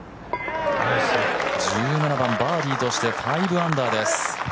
１７番バーディーとして５アンダーです。